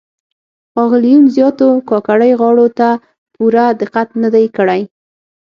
ښاغلي یون زیاتو کاکړۍ غاړو ته پوره دقت نه دی کړی.